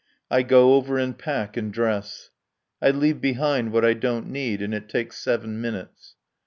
I go over and pack and dress. I leave behind what I don't need and it takes seven minutes.